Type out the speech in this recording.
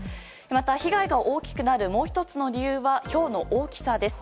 また、被害が大きくなるもう１つの理由はひょうの大きさです。